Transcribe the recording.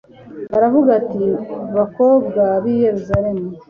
Aravuga ati: " Bakobwa b'i Yerusalemu,